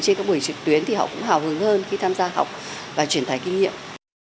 trên các buổi trực tuyến thì họ cũng hào hứng hơn khi tham gia học và truyền tài kinh nghiệm